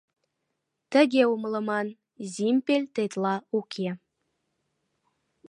— Тыге умылыман: Зимпель тетла уке.